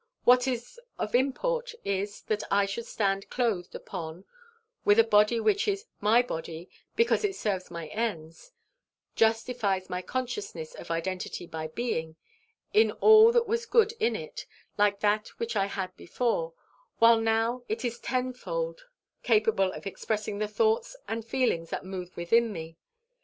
What is of import is, that I should stand clothed upon, with a body which is my body because it serves my ends, justifies my consciousness of identity by being, in all that was good in it, like that which I had before, while now it is tenfold capable of expressing the thoughts and feelings that move within me.